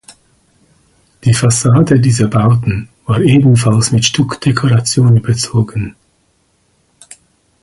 Die Fassade dieser Bauten war ebenfalls mit Stuckdekoration überzogen.